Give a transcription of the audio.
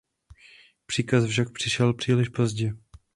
Příkaz však přišel příliš pozdě.